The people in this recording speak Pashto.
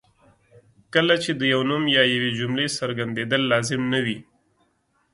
کله چې د یو نوم یا یوې جملې څرګندېدل لازم نه وي.